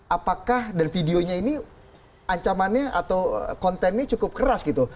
apakah dan videonya ini ancamannya atau kontennya cukup keras gitu